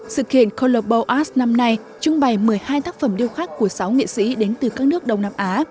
sự kiện coral bowl arts năm nay trung bày một mươi hai tác phẩm điêu khắc của sáu nghệ sĩ đến từ các nước đông nam á